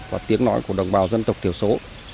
và tiếng nói của đồng bào dân tộc thiểu số